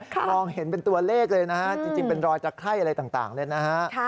มองเห็นเป็นตัวเลขเลยนะฮะจริงเป็นรอยตะไข้อะไรต่างเนี่ยนะฮะ